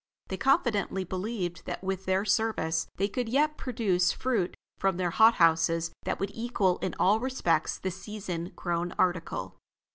They confidently believed that with their service, they could yet produce fruit from their hot houses, that would equal in all respects the season grown article.